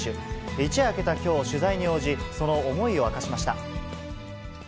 一夜明けたきょう、取材に応じ、その思いを明かしました。